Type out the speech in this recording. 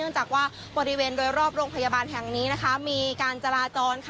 จากว่าบริเวณโดยรอบโรงพยาบาลแห่งนี้มีการจราจร